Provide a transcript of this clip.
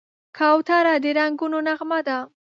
کوتره د رنګونو نغمه ده.